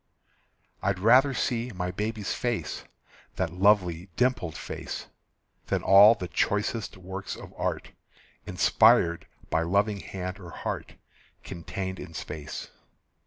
I'd rather see my baby's face, That lovely dimpled face, Than all the choicest works of art, Inspired by loving hand or heart, Contained in space.